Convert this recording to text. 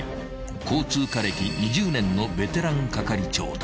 ［交通課歴２０年のベテラン係長だ］